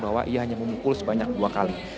bahwa ia hanya memukul sebanyak dua kali